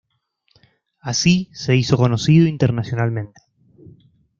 Así se hizo conocido internacionalmente.